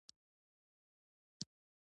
او ټولې پېښې د ده په محور چورلي.